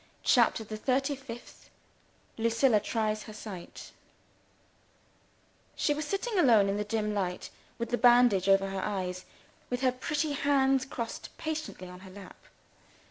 CHAPTER THE THIRTY FIFTH Lucilla tries her Sight SHE was sitting alone in the dim light, with the bandage over her eyes, with her pretty hands crossed patiently on her lap.